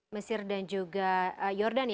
mesir dan juga jordan ya